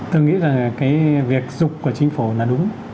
tôi nghĩ là cái việc dục của chính phủ là đúng